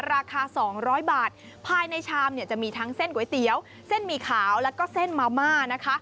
ราคา๒๐๐บาทภายในชามเนี่ยจะมีทั้งเส้นก๋วยเตี๋ยวเส้นหมี่ขาวแล้วก็เส้นมาม่านะคะ